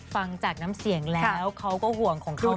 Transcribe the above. ฟังจากน้ำเสียงแล้วเขาก็ห่วงของเขา